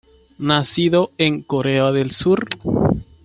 Nacido en Corea del Sur.